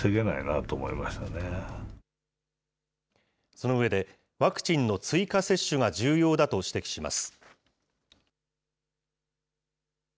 その上で、ワクチンの追加接種が重要だと指摘します。